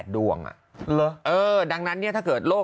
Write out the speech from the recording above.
ดำเนินคดีต่อไปนั่นเองครับ